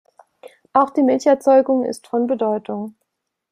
Auch die Milcherzeugung ist von Bedeutung.